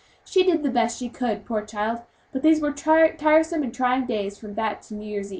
She did the best she could, poor child, but these were tiresome and trying days from that until New Year's.